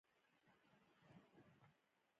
نور خلک هم پرې راټول شول.